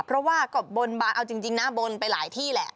เพราะว่าก็บนบานเอาจริงนะบนไปหลายที่แหละ